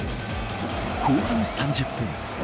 後半３０分。